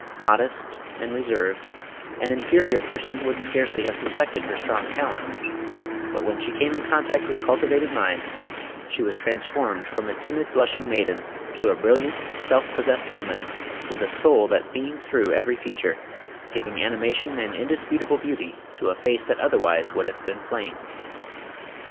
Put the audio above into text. Mod est and reserved, an inferior person would scarcely have suspected her strong talents, but when she came in contact with cultivated minds she was transformed from a timid blushing maiden to a brilliant, self pos sessed woman, with a soul that beamed through every feature, giving animation and indisputable beauty to a face that otherwise would have been plain.